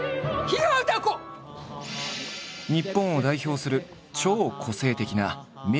日本を代表する超・個性的な名脇役。